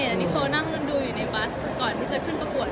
นานิโค์นั่งดูอยู่ในบัสก่อนที่จะขึ้นประกวุธ